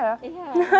iya enak banget